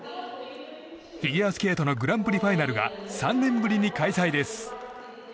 フィギュアスケートのグランプリファイナルが３年ぶりに開催です。